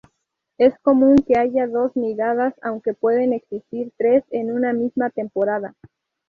Es común que haya dos nidadas, aunque pueden existir tres en una misma temporada.